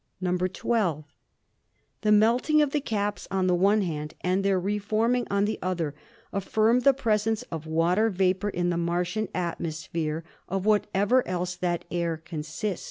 "(12) The melting of the caps on the one hand and their re forming on the other affirm the presence of water vapor in the Martian atmosphere, of whatever else that air consist.